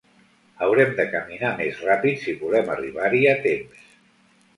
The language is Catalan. Haurem de caminar més ràpid si volem arribar-hi a temps.